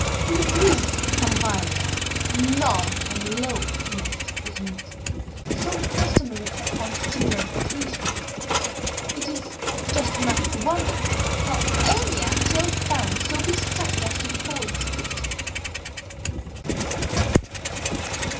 To be brief upon a vile topic, none of the low finesse was omitted, so customary upon similar occasions that it is a just matter for wonder how any are still found so besotted as to fall its victim.